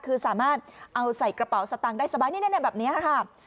คือสามารถเอาใส่กระเป๋าสตางค์ได้สบายนี่แบบนี้ค่ะ